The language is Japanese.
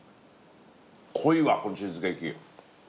濃いわこのチーズケーキ。